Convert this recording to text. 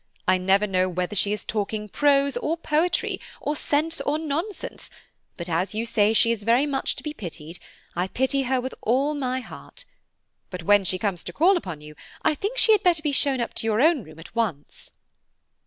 I never know whether she is talking prose or poetry, or sense or nonsense; but as you say she is very much to be pitied, I pity her with all my heart. But when she comes to call upon you, I think she had better be shown up to your own room at once."